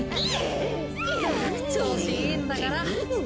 ったく調子いいんだから。